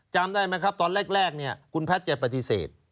จำได้ไหมครับตอนแรกเนี่ยคุณแพทย์แกปฏิเสธ